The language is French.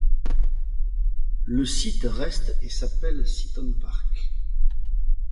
Le site reste et s'appelle Seaton Park.